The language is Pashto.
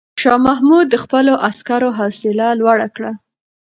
شاه محمود د خپلو عسکرو حوصله لوړه کړه.